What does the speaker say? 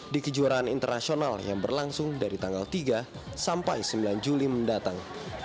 di kejuaraan internasional yang berlangsung dari tanggal tiga sampai sembilan juli mendatang